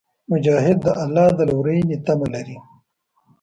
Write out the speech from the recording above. مجاهد د الله د لورینې تمه لري.